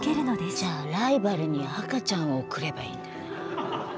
じゃあライバルには赤ちゃんを送ればいいんだ。